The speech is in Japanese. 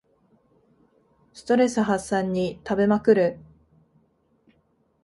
ストレス発散に食べまくる